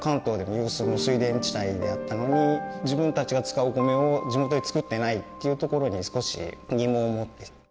であったのに自分たちが使うお米を地元で作ってないっていうところで少し疑問を持って。